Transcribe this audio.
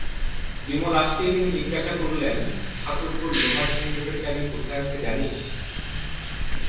বিমল আসতেই তিনি জিজ্ঞাসা করলেন, ঠাকুরপোর লোহার সিন্দুকের চাবি কোথায় আছে জানিস?